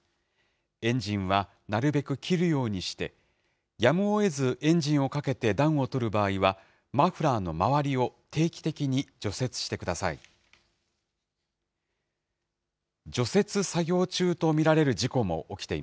エンジンはなるべく切るようにして、やむをえずエンジンをかけて暖をとる場合は、マフラーの周りを定期的に除雪してください。